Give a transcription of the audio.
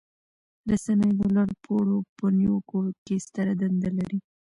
رسنۍ د لوړ پوړو په نیوکو کې ستره دنده لري.